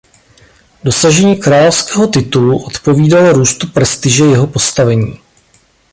Dosažení královského titulu odpovídalo růstu prestiže jeho postavení.